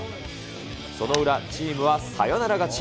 その裏、チームはサヨナラ勝ち。